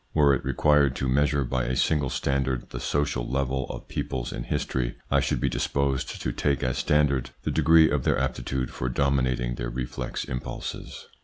Were it required to measure by a single standard the social level of peoples in history, I should be disposed to take as standard the degree of their aptitude for dominating their reflex impulses.